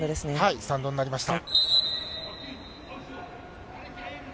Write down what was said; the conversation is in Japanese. スタンドになりました。